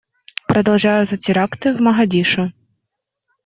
Продолжаются теракты в Могадишо.